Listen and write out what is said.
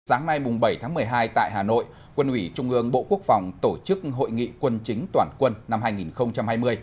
sáng nay bảy tháng một mươi hai tại hà nội quân ủy trung ương bộ quốc phòng tổ chức hội nghị quân chính toàn quân năm hai nghìn hai mươi